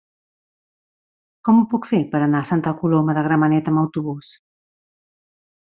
Com ho puc fer per anar a Santa Coloma de Gramenet amb autobús?